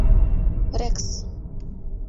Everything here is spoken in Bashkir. Рекс!